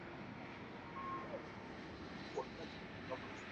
অবশ্য সংখ্যায় কম হলেও কয়েকটি প্রতিষ্ঠান নিজেদের প্যাভিলিয়নের কাজ শেষ করে ফেলেছে।